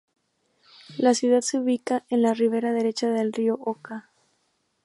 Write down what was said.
La ciudad se ubica en la ribera derecha del río Oká.